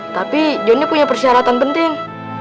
tapi johnny punya persyaratan penting